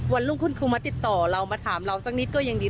วันรุ่งคุณครูมาติดต่อเรามาถามเราสักนิดก็ยังดี